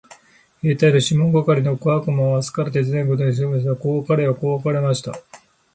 兵隊のシモン係の小悪魔は明日から手伝いに行くと約束しました。こうして彼等は別れました。